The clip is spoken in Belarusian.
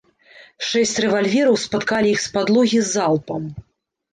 Шэсць рэвальвераў спаткалі іх з падлогі залпам.